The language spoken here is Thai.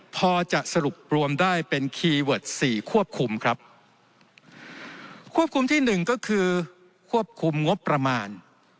พอจะสรุปรวมได้เป็นคีย์เวิร์ดสี่ควบคุมครับควบคุมที่หนึ่งก็คือควบคุมงบประมาณ